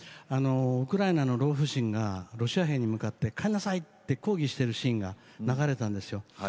ウクライナの老婦人がロシア兵に向かって帰りなさいと抗議しているシーンが描かれたんです。